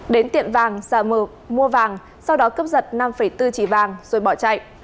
đến tiện vàng sợ mượt mua vàng sau đó cấp giật năm bốn chỉ vàng rồi bỏ chạy